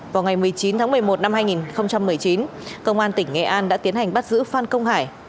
vào ngày một mươi chín tháng một mươi một năm hai nghìn một mươi chín công an tỉnh nghệ an đã tiến hành bắt giữ phan công hải